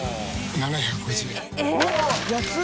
７５０円。